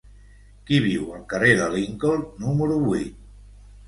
Qui viu al carrer de Lincoln número vuit?